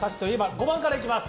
５番から行きます。